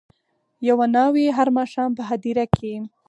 یوه ناوي هر ماښام په هدیره کي